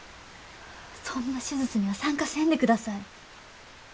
そんな手術には参加せんで下さい。